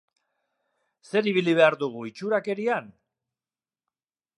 Zer ibili behar dugu, itxurakerian?